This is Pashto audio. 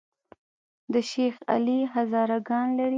د شیخ علي هزاره ګان لري